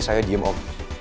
saya diem om